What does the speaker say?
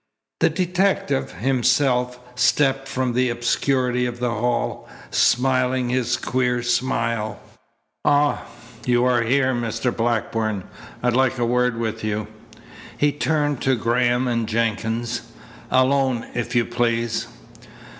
The detective, himself, stepped from the obscurity of the hall, smiling his queer smile. "Ah! You are here, Mr. Blackburn! I'd like a word with you." He turned to Graham and Jenkins. "Alone, if you please."